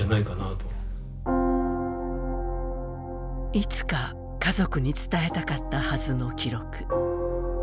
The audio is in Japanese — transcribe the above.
いつか家族に伝えたかったはずの記録。